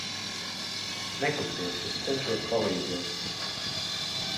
Nekusties, es cenšos palīdzēt.